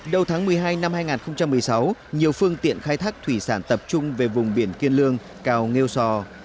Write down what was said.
đầu tháng một mươi hai năm hai nghìn một mươi sáu nhiều phương tiện khai thác thủy sản tập trung về vùng biển kiên lương cà nghêu sò